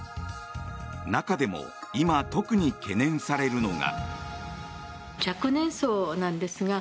中でも今、特に懸念されるのが。